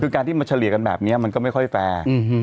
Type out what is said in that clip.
คือการที่มาเฉลี่ยกันแบบนี้มันก็ไม่ค่อยแฟร์